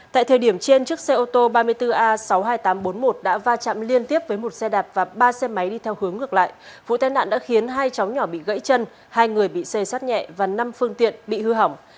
tại thời điểm trên chiếc xe ô tô ba mươi bốn a sáu mươi hai nghìn tám trăm bốn mươi một đã va chạm liên tiếp với một xe đạp và ba xe máy đi theo hướng ngược lại vụ tai nạn đã khiến hai cháu nhỏ bị gãy chân hai người bị xe sát nhẹ và năm phương tiện bị hư hỏng